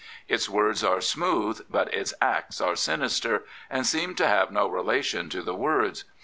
Its words are smooth, but its acts are sinister and seem to have no relation to the words.